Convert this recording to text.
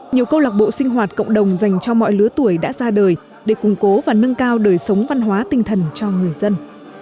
nhiều câu lạc bộ sinh hoạt cộng đồng dành cho mọi lứa tuổi đã ra đời để củng cố và nâng cao đời sống văn hóa tinh thần cho người dân